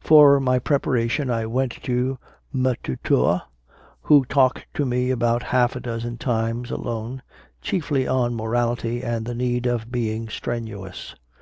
For my preparation I went to "m tutor," who talked to me about half a dozen times alone, chiefly on morality and the need of being strenuous.